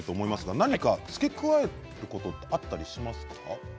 何か付け加えることはありますか。